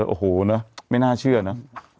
โอ้โหนะไม่น่าเชื่อนะ